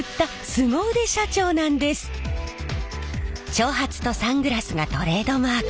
長髪とサングラスがトレードマーク。